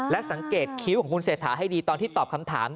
และสังเกตคิ้วของคุณเศรษฐาให้ดีตอนที่ตอบคำถาม